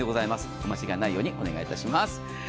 お間違えないようにお願いいたします。